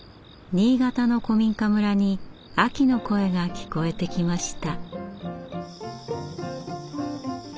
新潟の古民家村に秋の声が聞こえてきました。